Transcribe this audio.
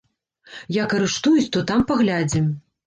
Як арыштуюць, то там паглядзім.